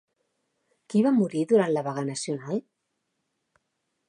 Qui va morir durant la vaga nacional?